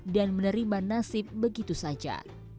dan menerima nasib begitu saja